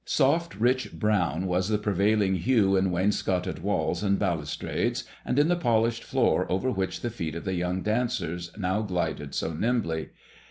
Soft rich brown was the prevailing hue in wainscoted walls and balustrades, and in the polished floor over which the feet of the young dancers now glided so nimbly.